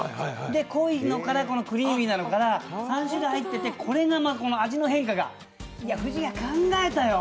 濃いのからクリーミーのから３種類入ってて、これが味の変化が不二家、考えたよ